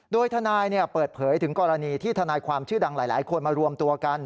โดยทนายเปิดเผยถึงกรณีที่ทนายความชื่อดังหลายคนมารวมตัวกัน